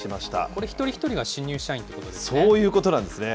これ、一人一人が新入社員ということですね。